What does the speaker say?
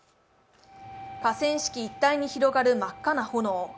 河川敷一帯に広がる真っ赤な炎。